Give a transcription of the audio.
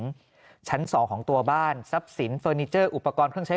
ชั้น๒ของตัวบ้านทรัพย์สินเฟอร์นิเจอร์อุปกรณ์เครื่องใช้